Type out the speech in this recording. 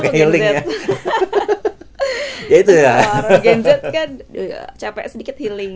kalau gen z kan capek sedikit healing